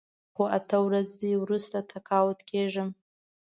خو اته ورځې وروسته تقاعد کېږم.